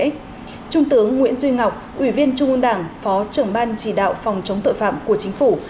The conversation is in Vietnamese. tới dự lễ trung tướng nguyễn duy ngọc ủy viên trung ương đảng phó trưởng ban chỉ đạo phòng chống tội phạm của chính phủ